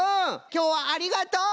きょうはありがとう！